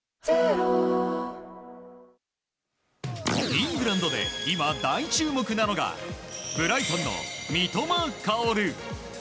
イングランドで今大注目なのがブライトンの三笘薫。